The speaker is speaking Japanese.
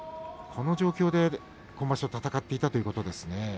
この状況で今場所戦っていたということですね。